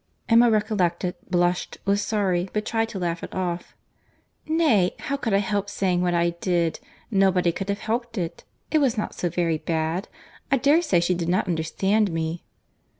Emma recollected, blushed, was sorry, but tried to laugh it off. "Nay, how could I help saying what I did?—Nobody could have helped it. It was not so very bad. I dare say she did not understand me."